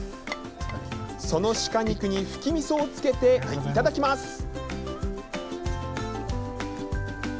その鹿肉にふきみそをつけて頂きます。